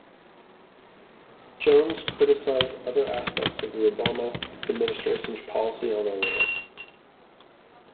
Jones criticized other aspects of the Obama administration's policy on Iran.